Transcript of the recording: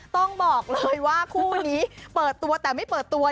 ต้องบอกเลยว่าคู่นี้เปิดตัวแต่ไม่เปิดตัว